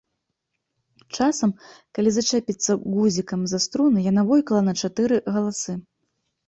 Часам, калі зачэпіцца гузікам за струны, яна войкала на чатыры галасы.